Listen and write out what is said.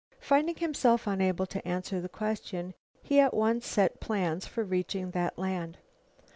Finding himself unable to answer the question, he at once set plans for reaching that land.